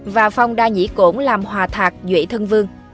và phong đa nhĩ cổn làm hòa thạc duệ thân vương